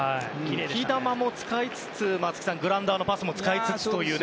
浮き球も使いつつグラウンダーのパスも使いつつ。